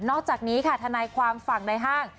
อกจากนี้ค่ะทนายความฝั่งในห้าง